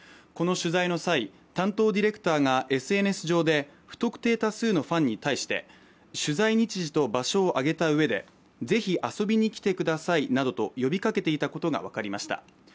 この取材の際、担当ディレクターが、ＳＮＳ上で不特定多数のファンに対して場所と日時を挙げたうえで、是非遊びにきてくださいなどと呼びかけていたことが分かりました。